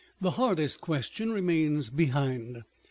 The hardest question remains behind.